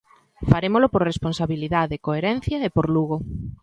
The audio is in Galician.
Farémolo por responsabilidade, coherencia e por Lugo.